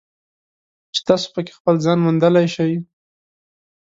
چې تاسو پکې خپل ځان موندلی شئ.